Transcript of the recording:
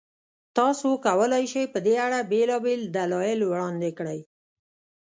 تاسو کولای شئ، په دې اړه بېلابېل دلایل وړاندې کړئ.